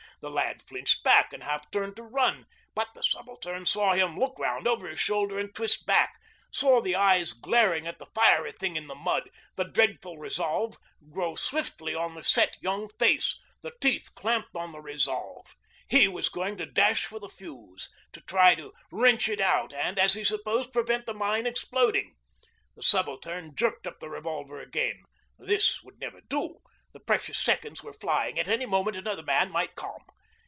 The lad flinched back and half turned to run, but the Subaltern saw him look round over his shoulder and twist back, saw the eyes glaring at the fiery thing in the mud, the dreadful resolve grow swiftly on the set young face, the teeth clamped on the resolve. He was going to dash for the fuse, to try to wrench it out and, as he supposed, prevent the mine exploding. The Subaltern jerked up the revolver again. This would never do; the precious seconds were flying; at any moment another man might come.